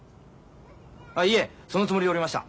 あっいえそのつもりでおりました。